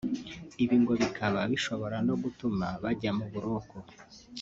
ibi ngo bibaka bashobora no gutuma bajya mu buroko